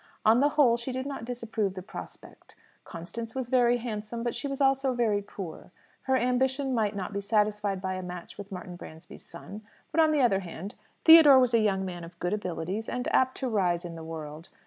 On the whole she did not disapprove the prospect. Constance was very handsome, but she was also very poor. Her ambition might not be satisfied by a match with Martin Bransby's son; but on the other hand, Theodore was a young man of good abilities, and apt to rise in the world.